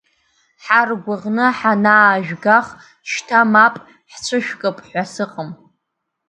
Ҳаргәыӷны ҳанаажәгах, шьҭа мап ҳцәышәкып ҳәа сыҟам!